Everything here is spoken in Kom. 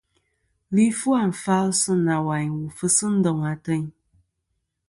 Li fu àfal sɨ nawayn wu fɨsi ndoŋ ateyn.